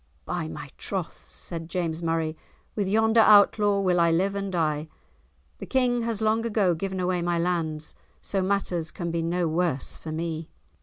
"By my troth," said James Murray, "with yonder Outlaw will I live and die; the King has long ago given away my lands, so matters can be no worse for me."